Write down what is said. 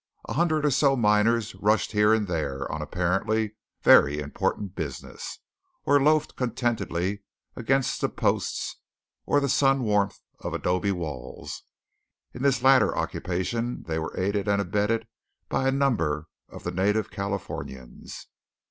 A hundred or so miners rushed here and there on apparently very important business, or loafed contentedly against the posts or the sun warmth of adobe walls. In this latter occupation they were aided and abetted by a number of the native Californians.